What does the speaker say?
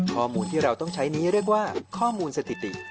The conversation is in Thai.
ข้อมูลที่เราต้องใช้นี้เรียกว่าข้อมูลสถิติ